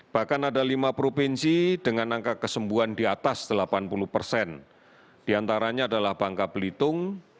bahkan ada lima provinsi dengan angka kesembuhan di atas delapan puluh persen diantaranya adalah bangka belitung